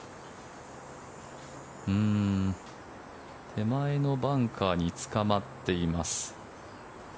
手前のバンカーにつかまっています。